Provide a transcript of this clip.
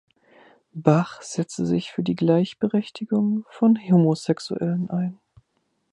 Bach setzte sich für die Gleichberechtigung von Homosexuellen ein.